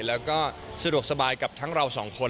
แล้วก็สะดวกสบายกับทั้งเราสองคน